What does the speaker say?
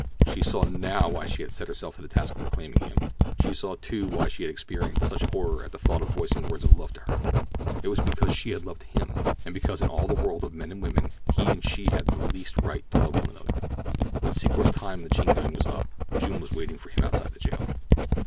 She saw now why she had set herself the task of reclaiming him. She saw, too, why she had experienced such horror at the thought of his voicing words of love to her—it was because she had loved him, and because in all the world of men and women, he and she had the least right to love one another. When Secor's time in the chain gang was up, June was waiting for him outside the jail.